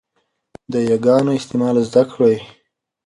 د 'ي' ګانو استعمال زده کړئ.